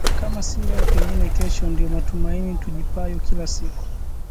Kama si leo, pengine kesho, ndiyo matumaini tujipayo kila siku